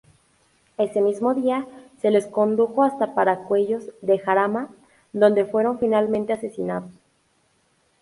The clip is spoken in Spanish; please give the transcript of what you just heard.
Ese mismo día se les condujo hasta Paracuellos de Jarama, donde fueron finalmente asesinados.